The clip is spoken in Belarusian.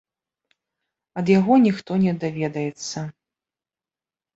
Ад яго ніхто не даведаецца.